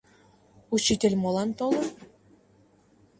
— Учитель молан толын?